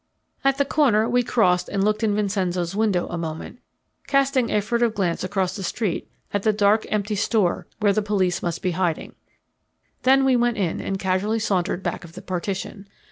At the corner we crossed and looked in Vincenzo's window a moment, casting a furtive glance across the street at the dark empty store where the police must be hiding. Then we went in and casually sauntered back of the partition.